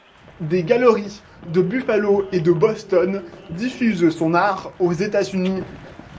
Des galeries de Buffalo et de Boston diffusent son art aux États-Unis.